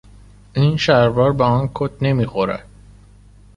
این شلوار به آن کت نمیخورد.